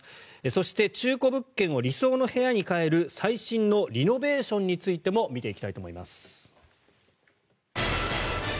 そして、中古物件を理想の部屋に変える最新のリノベーションについても見ていきたいと思います。